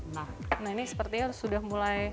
nah ini sepertinya sudah mulai